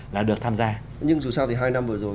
là được tham gia nhưng dù sao thì hai năm vừa rồi